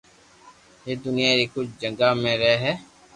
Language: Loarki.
جي دنيا ري ڪجھ جگہ مي رھي ھي